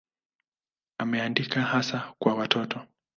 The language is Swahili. Ameandika hasa kwa watoto.